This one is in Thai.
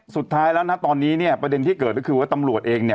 สุดท้ายแล้วนะตอนนี้เนี่ยประเด็นที่เกิดก็คือว่าตำรวจเองเนี่ย